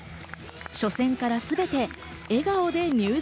初戦から全て笑顔で入場。